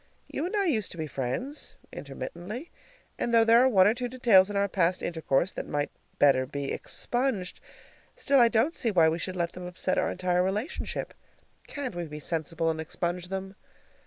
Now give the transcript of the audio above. You and I used to be friends (intermittently), and though there are one or two details in our past intercourse that might better be expunged, still I don't see why we should let them upset our entire relationship. Can't we be sensible and expunge them?